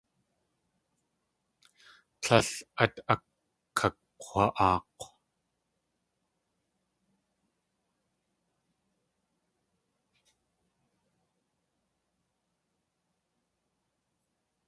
Tlél át akakg̲wa.aak̲w.